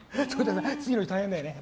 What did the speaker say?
次の日、大変だよね。